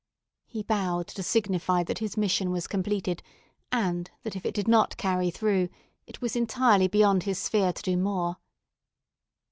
He bowed to signify that his mission was completed, and that if it did not carry through, it was entirely beyond his sphere to do more.